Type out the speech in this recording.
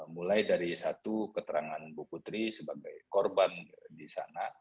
mulai dari satu keterangan bu putri sebagai korban di sana